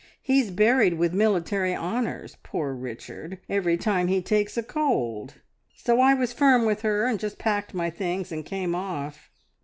He's buried with military honours, poor Richard, every time he takes a cold. So I was firm with her, and just packed my things and came off.